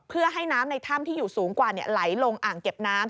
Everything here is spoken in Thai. เพื่อให้น้ำในถ้ำที่อยู่สูงกว่าไหลลงอ่างเก็บน้ำ